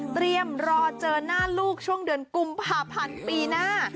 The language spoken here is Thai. รอเจอหน้าลูกช่วงเดือนกุมภาพันธ์ปีหน้า